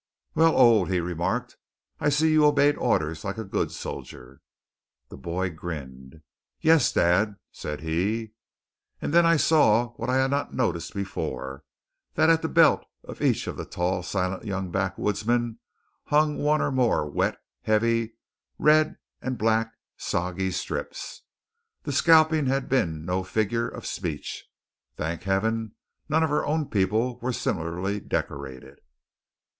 "Well, Old," he remarked, "I see you obeyed orders like a good sojer." The boy grinned. "Yes, dad," said he. And then I saw what I had not noticed before: that at the belt of each of the tall, silent young backwoodsmen hung one or more wet, heavy, red and black soggy strips. The scalping had been no mere figure of speech! Thank heaven! none of our own people were similarly decorated!